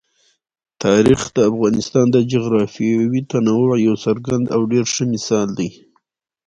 تاریخ د افغانستان د جغرافیوي تنوع یو څرګند او ډېر ښه مثال دی.